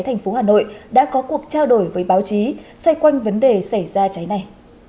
thành phố hà nội đã có cuộc trao đổi với báo chí xoay quanh vấn đề xảy ra cháy này